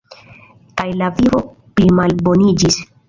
Kaj la vivo plimalboniĝis.